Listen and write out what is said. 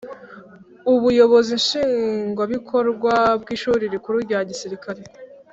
Ubuyobozi Nshingwabikorwa bw’ Ishuri Rikuru rya Gisirikare